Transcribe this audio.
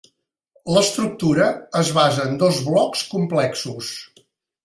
L'estructura es basa en dos blocs complexos.